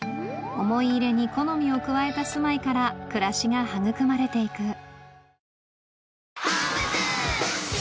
思い入れに好みを加えた住まいから暮らしが育まれて行く